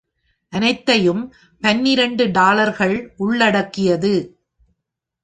அனைத்தையும் பன்னிரண்டு டாலர்கள் உள்ளடக்கியது.